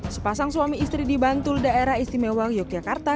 sepasang suami istri di bantul daerah istimewa yogyakarta